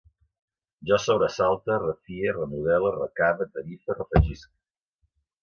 Jo sobresalte, refie, remodele, recave, tarife, refregisc